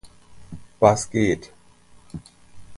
Was geht?